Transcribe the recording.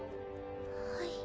はい。